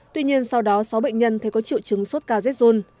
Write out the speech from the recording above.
tuy nhiên sau đó sáu bệnh nhân thấy có triệu chứng suốt cao z zone